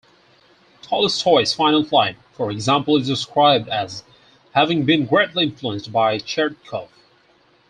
Tolstoy's final flight, for example, is described as having been greatly influenced by Chertkov.